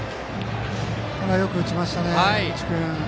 よく打ちましたね、江口君。